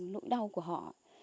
nỗi đau của họ